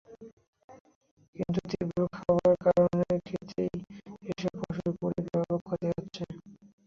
কিন্তু তীব্র খরার কারণে খেতেই এসব ফসল পুড়ে ব্যাপক ক্ষতি হচ্ছে।